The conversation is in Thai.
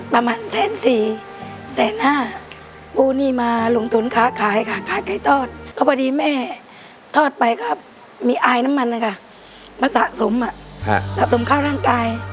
ประมาณแสนสี่แสนห้า